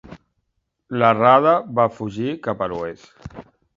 La Rada va fugir cap a l'oest.